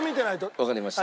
わかりました。